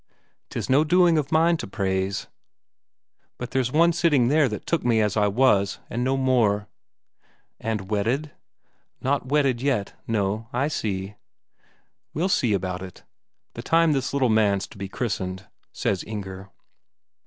"'Tis no doing of mine to praise. But there's one sitting there that took me as I was and no more." "And wedded? Not wedded yet, no, I see." "We'll see about it, the time this little man's to be christened," says Inger.